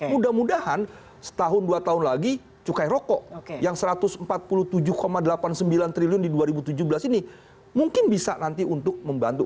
mudah mudahan setahun dua tahun lagi cukai rokok yang satu ratus empat puluh tujuh delapan puluh sembilan triliun di dua ribu tujuh belas ini mungkin bisa nanti untuk membantu